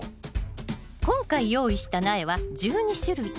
今回用意した苗は１２種類。